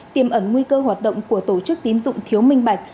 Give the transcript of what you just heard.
tiềm ẩn nguy cơ hoạt động của tổ chức tín dụng thiếu minh bạch